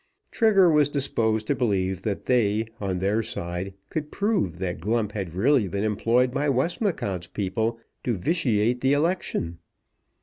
Trigger was disposed to believe that they, on their side, could prove that Glump had really been employed by Westmacott's people to vitiate the election.